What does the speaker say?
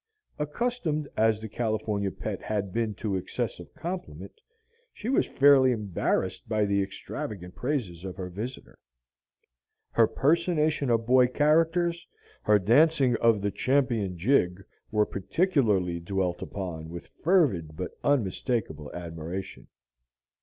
Accustomed as the "California Pet" had been to excessive compliment, she was fairly embarrassed by the extravagant praises of her visitor. Her personation of boy characters, her dancing of the "champion jig," were particularly dwelt upon with fervid but unmistakable admiration.